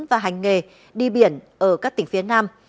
và hành nghề đi biển ở các tỉnh phía nam